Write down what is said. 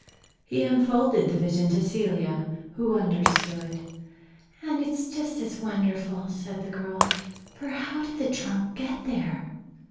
He unfolded the vision to Celia, who understood. "And it's just as wonderful," said the girl, "for how did the trunk get there?"